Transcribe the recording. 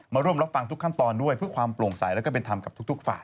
ร่วมรับฟังทุกขั้นตอนด้วยเพื่อความโปร่งใสแล้วก็เป็นธรรมกับทุกฝ่าย